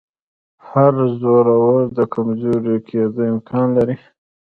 هر زورور د کمزوري کېدو امکان لري